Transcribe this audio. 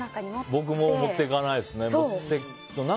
僕も持っていかないですね。